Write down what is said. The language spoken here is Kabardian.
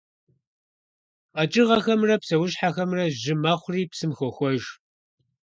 КъэкӀыгъэхэмрэ псэущхьэхэмрэ жьы мэхъури псым хохуэж.